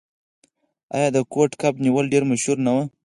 آیا د کوډ کب نیول ډیر مشهور نه و؟